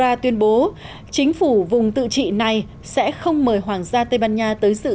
nga tuyên bố chính phủ vùng tự trị này sẽ không mời hoàng gia tây ban nha tới dự